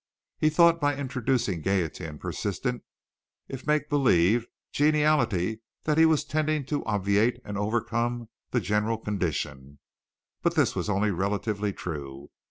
He thought by introducing gaiety and persistent, if make believe, geniality that he was tending to obviate and overcome the general condition, but this was only relatively true.